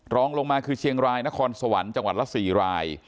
รองลงมาคือเชียงรายนครสวรรค์จังหวัดละ๔ราย